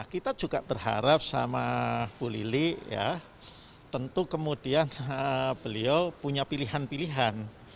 kita juga berharap sama bu lili ya tentu kemudian beliau punya pilihan pilihan